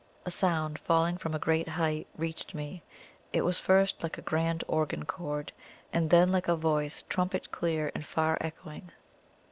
A sound falling from a great height reached me; it was first like a grand organ chord, and then like a voice, trumpet clear and far echoing.